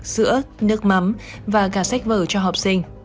sữa nước mắm và gà sách vở cho học sinh